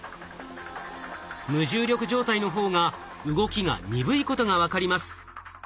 無重力状態の方が動きが鈍いことが分かります。